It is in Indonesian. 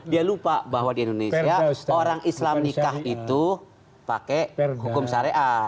dia lupa bahwa di indonesia orang islam nikah itu pakai hukum syariah